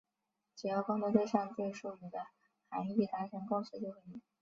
只要沟通对象对术语的含义达成共识就可以。